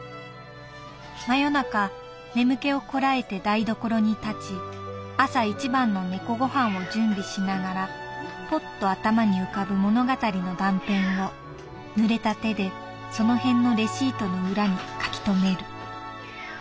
真夜中眠気をこらえて台所に立ち朝一番の猫ごはんを準備しながらポッと頭に浮かぶ物語の断片を濡れた手でそのへんのレシートの裏に書き留める」。